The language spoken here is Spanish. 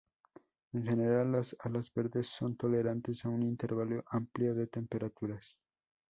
En general las algas verdes son tolerantes a un intervalo amplio de temperaturas.